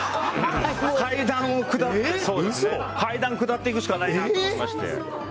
階段を下っていくしかないなと思いまして。